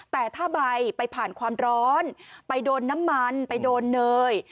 แต่ถ้าใบไปผ่านความร้อนไปโดนน้ำมันไปโดนเนย